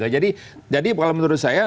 jadi kalau menurut saya